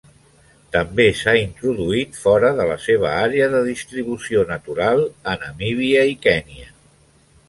També s'ha introduït fora de la seva àrea de distribució natural a Namíbia i Kenya.